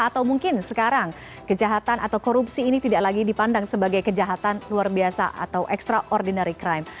atau mungkin sekarang kejahatan atau korupsi ini tidak lagi dipandang sebagai kejahatan luar biasa atau extraordinary crime